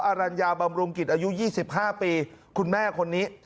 อรัญญาบำรุงกิจอายุ๒๕ปีคุณแม่คนนี้